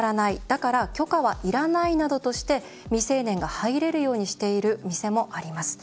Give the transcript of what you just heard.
だから許可はいらないなどとして未成年が入れるようにしている店もあります。